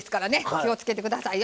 気をつけて下さいよ。